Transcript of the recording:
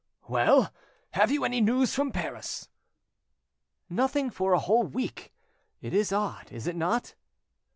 "Well, have you any news from Paris?" "Nothing for a whole week: it is odd, is it not?"